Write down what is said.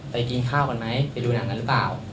กินข้าวกันไหมไปดูหนังกันหรือเปล่า